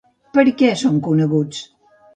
Per què són coneguts?